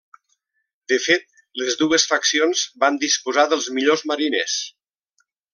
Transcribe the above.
De fet, les dues faccions van disposar dels millors mariners.